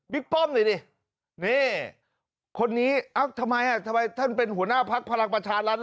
บิ๊กป้อมดิดิเนี่ยคนนี้ทำไมท่านเป็นหัวหน้าพลักษณ์พลักษณะรัฐ